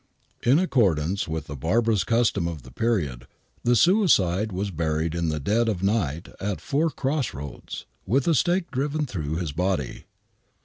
In accordance » THE WHITECHAPEL MURDERS 45 with the barbarous custom of the period the suicide was buried in the dead of night at four cross roads, with a stake driven through his body.